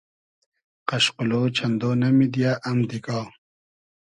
قئشقولۉ چئندۉ نۂ میدیۂ ام دیگا